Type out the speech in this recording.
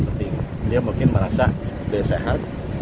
belanja pak belanja pak